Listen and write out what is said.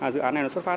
dự án này xuất phát